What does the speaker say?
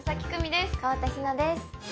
河田陽菜です。